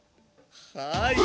はい。